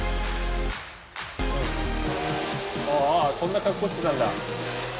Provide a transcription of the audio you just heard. ああそんな格好してたんだ。